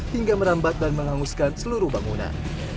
hingga merambat dan menghanguskan seluruh bangunan